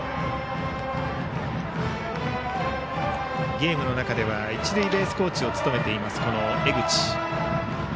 ゲームの中では一塁ベースコーチを務める江口。